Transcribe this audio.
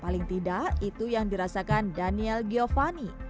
paling tidak itu yang dirasakan daniel giovani